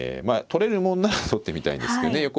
まあ取れるもんなら取ってみたいんですけどね。